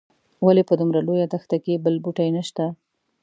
ولې په دومره لویه دښته کې بل بوټی نه شته.